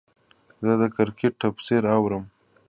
زه د کرکټ تفسیر اورم.